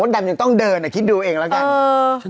ดำยังต้องเดินคิดดูเองแล้วกัน